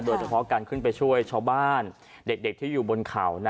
โดยเฉพาะการขึ้นไปช่วยชาวบ้านเด็กที่อยู่บนเขา